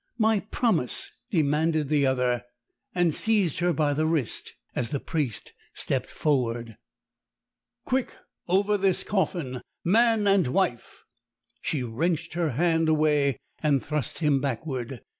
"My promise!" demanded the other, and seized her by the wrist as the priest stepped forward. "Quick! over this coffin man and wife!" She wrenched her hand away and thrust him backward.